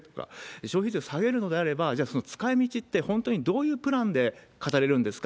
消費税を下げるのであれば、じゃあその使いみちって本当にどういうプランで語れるんですか？